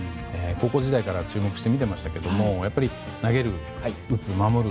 高校時代から注目して見ていましたけどもやっぱり投げる、打つ、守る。